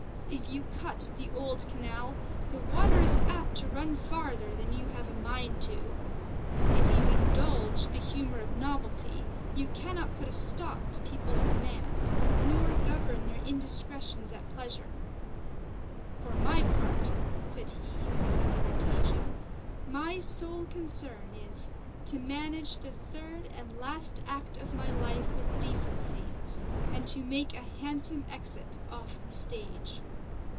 If you cut the old canal, the water is apt to run farther than you have a mind to. If you indulge the humor of novelty, you cannot put a stop to people's demands, nor govern their indiscretions at pleasure." "For my part," said he, on another occasion "my sole concern is, to manage the third and last act of my life with decency, and to make a handsome exit off the stage.